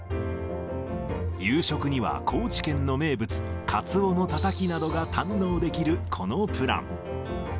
夕食には高知県の名物、カツオのたたきなどが堪能できるこのプラン。